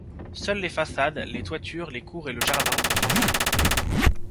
Seuls les façades, les toitures, les cours et le jardin sont inscrits.